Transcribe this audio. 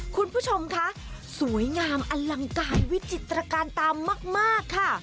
คุณผู้ชมคะสวยงามอลังการวิจิตรการตามมากค่ะ